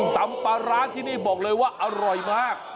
ตำปลาร้าที่นี่บอกเลยว่าอร่อยมาก